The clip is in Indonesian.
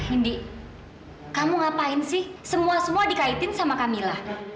indi kamu ngapain sih semua semua dikaitin sama kamila